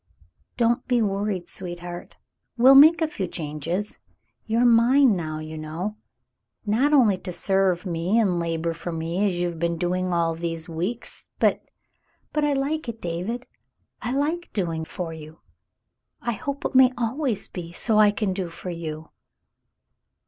"Don't be worried, sweetheart; we'll make a few changes. You're mine now, you know — not only to serve me and labor for me as you have been doing all these weeks, but —" "But I like it, David. I like doing for you. I hope it may always be so I can do for you."